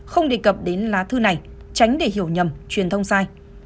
không đề cập đến lá thư này tránh để hiểu nhầm truyền thông sai